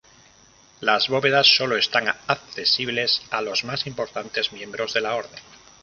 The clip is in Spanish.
Las bóvedas solo están accesibles a los más importantes miembros de la orden.